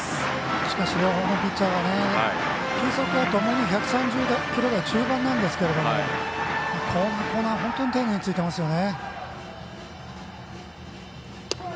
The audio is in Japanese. しかし両方のピッチャー球速はともに１３０キロ台中盤ですがコーナーを丁寧に突いていますよね。